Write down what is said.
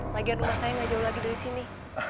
bagian rumah saya nggak jauh lagi dari sini